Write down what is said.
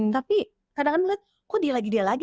tapi kadang kadang melihat kok dia lagi dia lagi